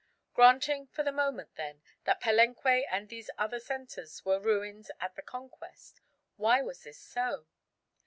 Granting for the moment, then, that Palenque and these other centres were ruins at the Conquest, why was this so?